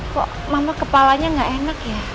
kok mama kepalanya nggak enak ya